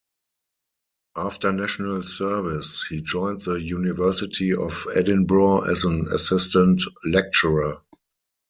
After National Service, he joined the University of Edinburgh as an assistant lecturer.